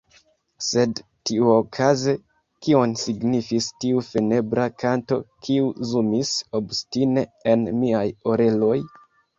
Sed, tiuokaze, kion signifis tiu funebra kanto, kiu zumis obstine en miaj oreloj?